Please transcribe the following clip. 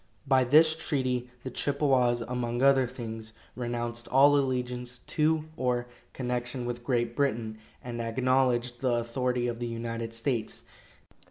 By this treaty the Chippewas, among other things, renounced all allegiance to or connection with Great Britain, and acknowledged the authority of the United States.